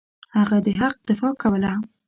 هغه د حق دفاع کوله.